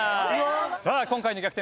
さあ今回の逆転